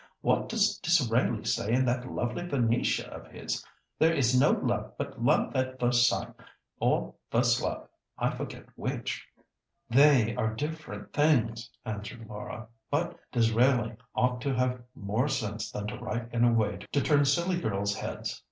What does Disraeli say in that lovely Venetia of his? 'There is no love but love at first sight,' or first love, I forget which." "They are different things," answered Laura; "but Disraeli ought to have more sense than to write in a way to turn silly girls' heads.